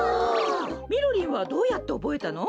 みろりんはどうやっておぼえたの？